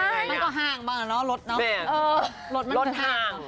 มันก็ห้างบ้างนะรถ